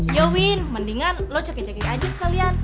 ya edwin mendingan lo cekik cekik aja sekalian